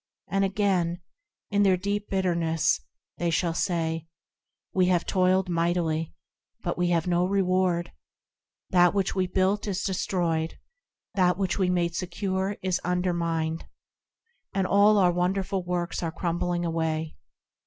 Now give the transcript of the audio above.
And again, in their deep bitterness, they shall say,– "We have toiled mightily, but we have no reward; That which we built is destroyed, That which we made secure is undermined, And all our wonderful works are crumbling away.